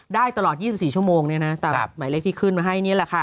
ได้ตลอด๒๔ชั่วโมงตามหมายเลขที่ขึ้นมาให้นี่แหละค่ะ